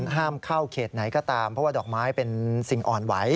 ห้ามเข้าเขตไหนก็ตามเพราะว่าดอกไม้เป็นสิ่งอ่อนไหว